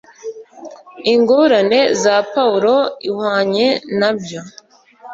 ingorane za pawulo ihwanye nabyo